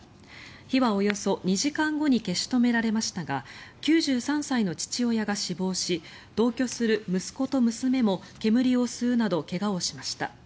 火はおよそ２時間後に消し止められましたが９３歳の父親が死亡し同居する息子と娘も煙を吸うなど怪我をしました。